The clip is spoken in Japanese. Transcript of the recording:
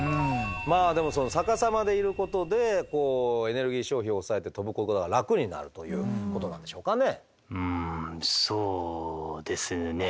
まあでも逆さまでいることでエネルギー消費を抑えて飛ぶことが楽になるということなんでしょうかね。